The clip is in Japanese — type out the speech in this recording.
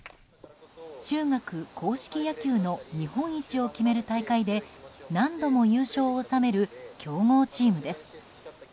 中学硬式野球の日本一を決める大会で何度も優勝を収める強豪チームです。